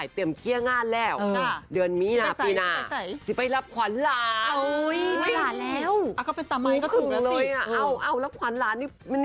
เตรียมเคลี้ยงงานแล้ว่อนมีปีนาไปรับขวานล้าน